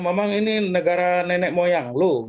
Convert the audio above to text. memang ini negara nenek moyang lu